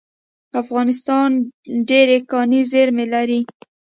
افغانستان ډیرې کاني زیرمې لري